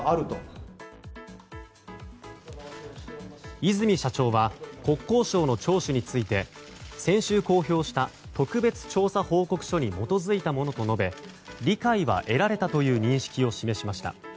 和泉社長は国交省の聴取について先週公表した特別調査報告書に基づいたものと述べ理解は得られたという認識を示しました。